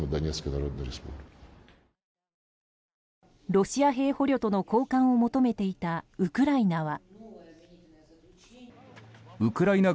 ロシア兵捕虜との交換を求めていたウクライナは。